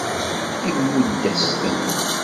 Imudd-as-ten.